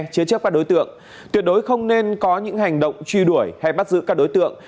chế chấp các đối tượng tuyệt đối không nên có những hành động truy đuổi hay bắt giữ các đối tượng